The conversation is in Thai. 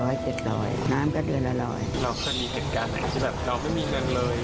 เราเคยมีเหตุการณ์ไหมที่เราไม่มีเงินเลย